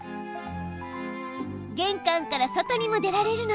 げん関から外にも出られるの。